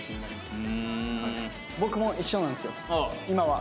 僕も一緒なんですよ今は。